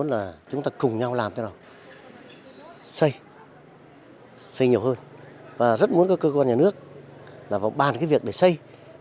là bàn cái việc để xây